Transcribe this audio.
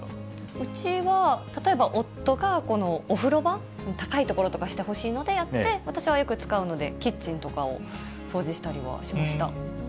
うちは、例えば、夫がお風呂場、高い所とかしてほしいので、やって、私はよく使うので、キッチンとかを掃除したりはしました。